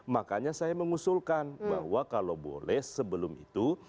makanya saya mengusulkan bahwa kalau boleh sebelum itu